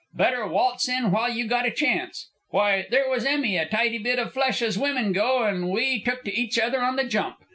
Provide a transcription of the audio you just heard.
Better waltz in while you got a chance. Why, there was Emmy, a tidy bit of flesh as women go, and we took to each other on the jump.